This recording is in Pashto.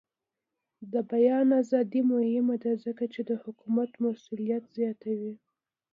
د بیان ازادي مهمه ده ځکه چې د حکومت مسؤلیت زیاتوي.